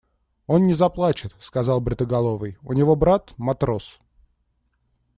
– Он не заплачет, – сказал бритоголовый, – у него брат – матрос.